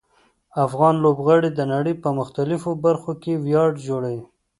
افغان لوبغاړي د نړۍ په مختلفو برخو کې ویاړ جوړوي.